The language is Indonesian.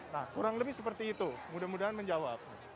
nah kurang lebih seperti itu mudah mudahan menjawab